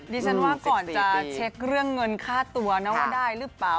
ดิฉันว่าก่อนจะเช็คเรื่องเงินค่าตัวนะว่าได้หรือเปล่า